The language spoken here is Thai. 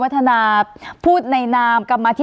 การแสดงความคิดเห็น